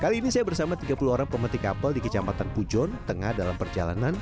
kali ini saya bersama tiga puluh orang pemetik apel di kecamatan pujon tengah dalam perjalanan